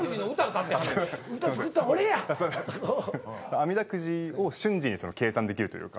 あみだくじを瞬時に計算できるというか。